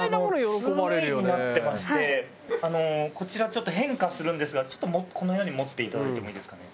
こちらちょっと変化するんですがこのように持っていただいてもいいですかね？